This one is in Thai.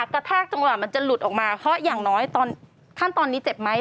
แทกจังหวะมันจะหลุดออกมาเพราะอย่างน้อยขั้นตอนนี้เจ็บไหม